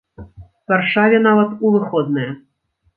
Варшаве нават у выходныя!